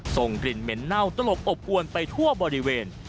ส่งกลิ่นเหม็นเน่าตลบอบอวนไปทั่วบริเวณ